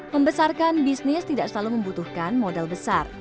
membesarkan bisnis tidak selalu membutuhkan modal besar